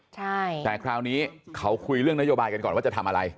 ใช่แต่คราวนี้เขาคุยเรื่องนโยบายกันก่อนว่าจะทำอะไร